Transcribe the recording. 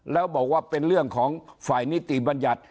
แล้วบอกว่าเป็นเรื่องของฝ่ายนิติบัญญัติ